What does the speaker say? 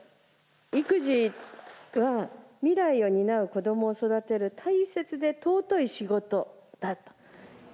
育児が、未来を担う子どもを育てる大切で尊い仕事だと。